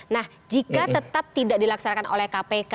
nah jika tetap tidak dilaksanakan oleh kpk